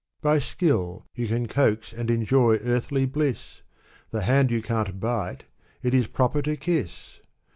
By skill, you can coax and enjoy earthly bliss ; The hand you can't bite, it is proper to kiss